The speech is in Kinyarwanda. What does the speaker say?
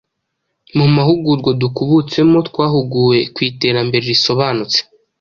Mu mahugurwa dukubutsemo twahuguwe ku iterambere risobanutse